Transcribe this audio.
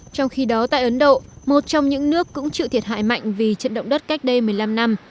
trong khi đó tại ấn độ một trong những nước cũng chịu thiệt hại mạnh vì trận động đất cách đây một mươi năm năm